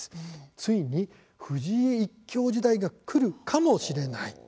ついに、藤井一強時代がくるかもしれない。